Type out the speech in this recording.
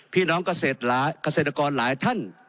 พี่น้องเกษตรกรหลายท่าน